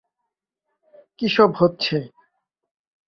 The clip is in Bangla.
কী হচ্ছে এসব!